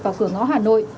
vào cửa ngõ hà nội